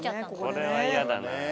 これは嫌だな。